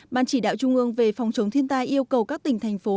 ban chỉ đạo trung ương về phòng chống thiên tai yêu cầu các tỉnh thành phố